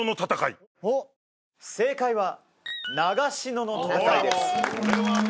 正解は「長篠の戦い」です